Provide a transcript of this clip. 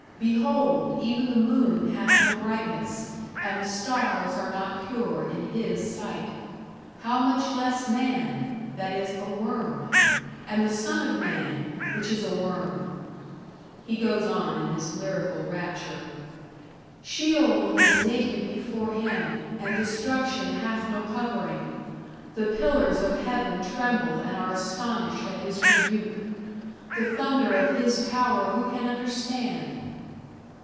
Behold, even the moon hath no brightness, and the stars are not pure in His sight: How much less man, that is a worm? And the son of man, which is a worm?" He goes on, in his lyrical rapture, "Sheol is naked before Him, and Destruction hath no covering.... The pillars of heaven tremble and are astonished at His rebuke. ... The thunder of His power who can understand?"